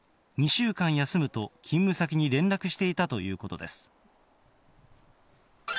２週間休むと勤務先に連絡していたということです。